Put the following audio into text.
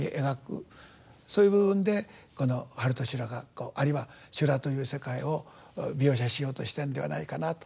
そういう部分でこの「春と修羅」があるいは修羅という世界を描写しようとしてんではないかなと。